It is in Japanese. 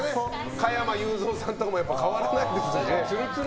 加山雄三さんとかも変わらないですしね。